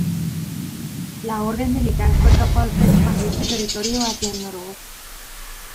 La orden militar fue capaz de expandir su territorio hacia el noroeste.